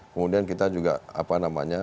kemudian kita juga